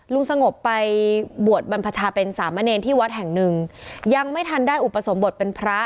ลุงสงบไปบวชบรรพชาเป็นสามเณรที่วัดแห่งหนึ่งยังไม่ทันได้อุปสมบทเป็นพระ